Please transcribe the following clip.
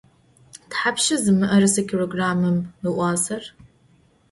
Thapşşa zı mı'erıse kilogrammım ıuaser?